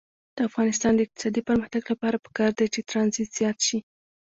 د افغانستان د اقتصادي پرمختګ لپاره پکار ده چې ترانزیت زیات شي.